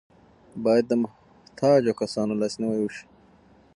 باید د محتاجو کسانو لاسنیوی وشي.